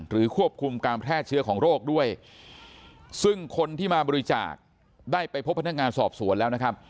ควบคุมการแพร่เชื้อของโรคด้วยซึ่งคนที่มาบริจาคได้ไปพบพนักงานสอบสวนแล้วนะครับ